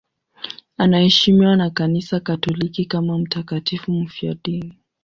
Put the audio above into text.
Anaheshimiwa na Kanisa Katoliki kama mtakatifu mfiadini.